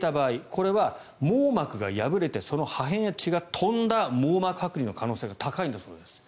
これは網膜が破れてその破片や血が飛んだ網膜はく離の可能性が高いんだそうです。